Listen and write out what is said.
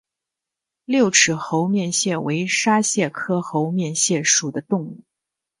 六齿猴面蟹为沙蟹科猴面蟹属的动物。